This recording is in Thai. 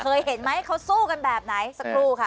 เคยเห็นไหมเขาสู้กันแบบไหนสักครู่ค่ะ